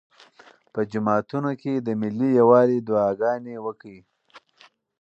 په جوماتونو کې د ملي یووالي دعاګانې وکړئ.